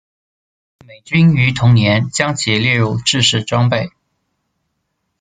美军于同年将其列入制式装备。